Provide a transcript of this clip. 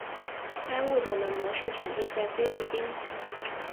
该物种的模式产地在菲律宾。